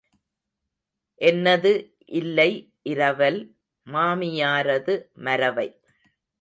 என்னது இல்லை இரவல், மாமியாரது மரவை.